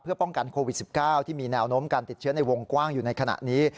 เพื่อป้องกันโควิด๑๙ที่มีแนวโน้มการติดเชื้อในวงกว้างอยู่ในขณะนี้